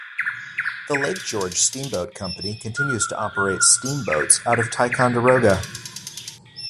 The Lake George Steamboat Company continues to operate steamboats out of Ticonderoga.